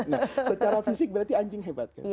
nah secara fisik berarti anjing hebat kan